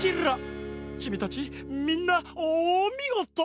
チミたちみんなおみごと！